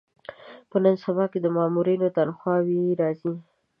په نن سبا کې د مامورینو تنخوا وې راځي.